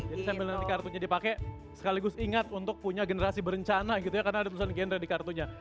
jadi sambil nanti kartunya dipakai sekaligus ingat untuk punya generasi berencana gitu ya karena ada tulisan gendre di kartunya